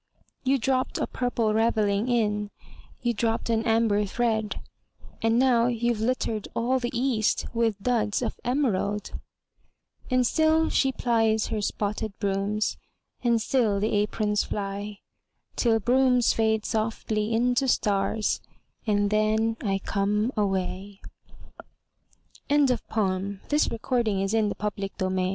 You dropped a Purple Ravelling in You dropped an Amber thread And now you've littered all the east With Duds of Emerald! And still she plies her spotted Brooms, And still the Aprons fly, Till Brooms fade softly into stars And then I come away Emily Dickinson (1861) There's a certain Slant of light